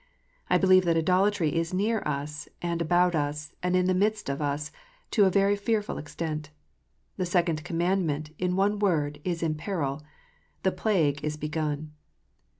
I believe that idolatry is near us, and about us, and in the midst of us, to a very fearful extent. The Second Commandment, in one word, is in peril. "The plague is begun."